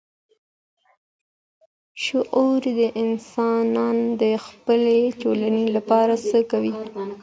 شعوري انسانان د خپلي ټولني لپاره څه کوي؟